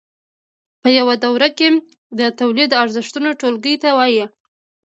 په یوه دوره کې د تولیدي ارزښتونو ټولګې ته وایي